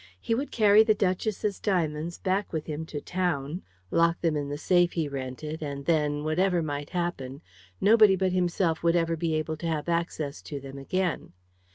He would carry the duchess' diamonds back with him to town, lock them in the safe he rented, and then, whatever might happen, nobody but himself would ever be able to have access to them again.